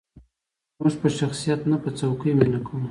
موږ په شخصیت نه، په څوکې مینه کوو.